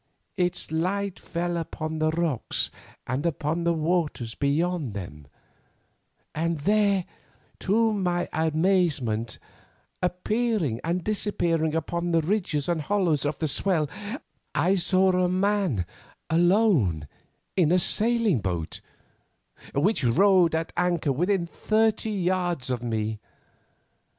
Its light fell upon the rocks and upon the waters beyond them, and there to my amazement, appearing and disappearing upon the ridges and hollows of the swell, I saw a man alone in a sailing boat, which rode at anchor within thirty yards of me.